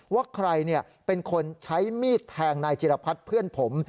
ว่าใครใช้มีดแทงนายจีรพรรดิเพื่อนผม